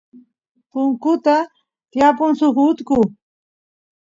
punkuta tiypun suk utku